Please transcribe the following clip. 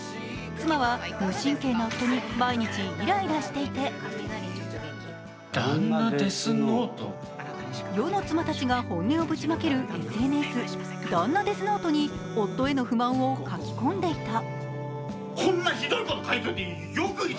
妻は無神経な夫に毎日イライラしていて世の妻たちが本音をぶちまけるＳＮＳ、「旦那デスノート」に夫への不満を書き込んでいた。